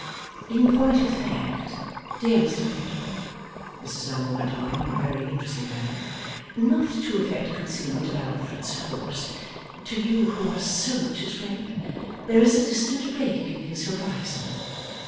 ') 'In point of fact, dear Mr Fledgeby,' Mrs Lammle went on in a very interesting manner, 'not to affect concealment of Alfred's hopes, to you who are so much his friend, there is a distant break in his horizon.